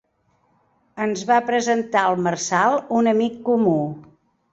Ens va presentar el Marçal, un amic comú.